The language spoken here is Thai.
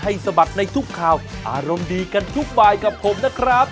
ให้สมัครในทุกข่าวอารมณ์ดีกันทุกบ่ายครับผมนะครับ